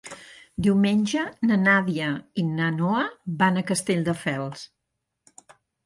Diumenge na Nàdia i na Noa van a Castelldefels.